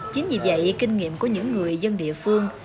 chính vì vậy kinh nghiệm của những người dân địa phương